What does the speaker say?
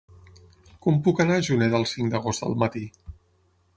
Com puc anar a Juneda el cinc d'agost al matí?